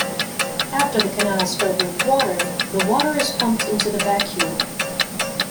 After the canals fill with water, the water is pumped into the vacuole.